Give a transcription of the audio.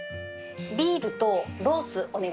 ビールとロースお願いします。